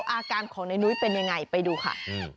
อาการของนายนุ้ยเป็นยังไงไปดูค่ะ